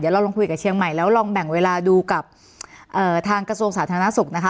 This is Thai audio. เราลองคุยกับเชียงใหม่แล้วลองแบ่งเวลาดูกับทางกระทรวงสาธารณสุขนะคะ